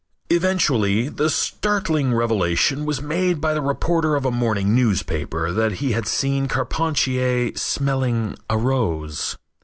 Eventually, the startling revelation was made by the reporter of a morning newspaper that he had seen Carpentier smelling a rose.